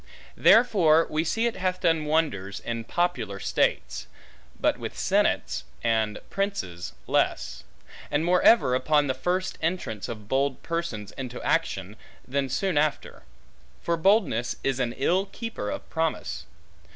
Therefore we see it hath done wonders, in popular states; but with senates, and princes less; and more ever upon the first entrance of bold persons into action, than soon after; for boldness is an ill keeper of promise.